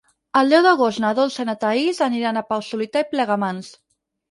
El deu d'agost na Dolça i na Thaís aniran a Palau-solità i Plegamans.